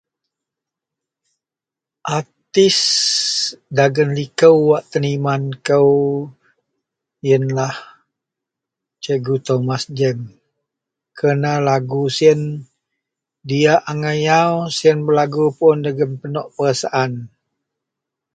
artis dagen liko wak teniman kou ienlah cikgu Thomas james, kerna lagu siyen diak agai yau, sien belagu pun jegum penuh perasaan